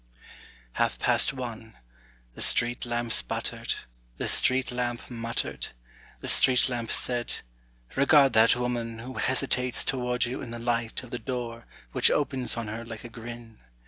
Half past one, The street lamp sputtered, The street lamp muttered, The street lamp said, âRegard that woman Who hesitates toward you in the light of the door Which opens on her like a grin.